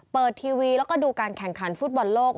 ทีวีแล้วก็ดูการแข่งขันฟุตบอลโลก